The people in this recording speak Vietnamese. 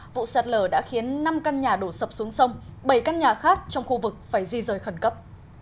vụ sạt lở đã khiến năm căn nhà đổ sập xuống sông bảy căn nhà khác trong khu vực phải di rời khẩn cấp